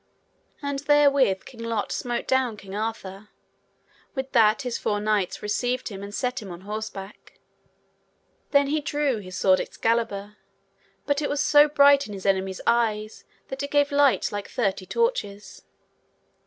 And therewith King Lot smote down King Arthur. With that his four knights received him and set him on horseback. Then he drew his sword Excalibur, but it was so bright in his enemies' eyes, that it gave light like thirty torches.